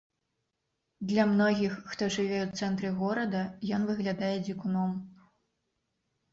Для многіх, хто жыве ў цэнтры горада, ён выглядае дзікуном!